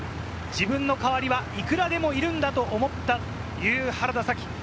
自分の代わりはいくらでもいるんだと思ったという原田紗希。